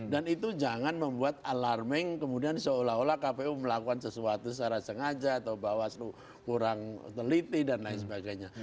dan itu jangan membuat alarming kemudian seolah olah kpu melakukan sesuatu secara sengaja atau bahwa kurang teliti dan lain sebagainya